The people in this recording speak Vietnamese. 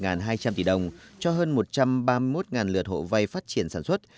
gần hai trăm linh tỷ đồng cho hơn một trăm ba mươi một lượt hộ vay phát triển sản xuất